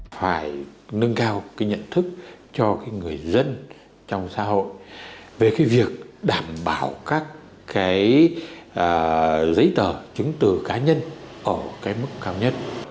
phải nâng cao nhận thức cho người dân trong xã hội về việc đảm bảo các giấy tờ chứng từ cá nhân ở mức cao nhất